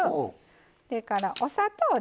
それからお砂糖ね。